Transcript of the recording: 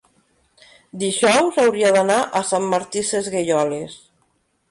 dijous hauria d'anar a Sant Martí Sesgueioles.